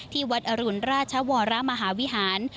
ที่วัดอรุณราชวรมหาวิหาร